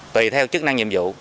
tùy theo chức năng nhiệm vụ